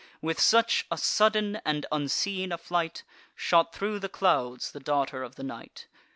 With such a sudden and unseen a flight Shot thro' the clouds the daughter of the night.